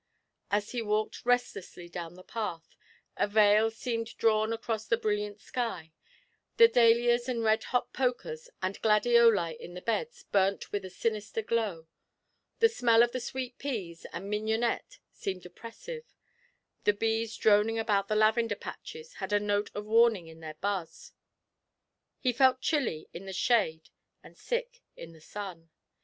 As he walked restlessly down the path, a veil seemed drawn across the brilliant sky, the dahlias and 'red hot pokers' and gladioli in the beds burnt with a sinister glow, the smell of the sweet peas and mignonette seemed oppressive, the bees droning about the lavender patches had a note of warning in their buzz, he felt chilly in the shade and sick in the sun.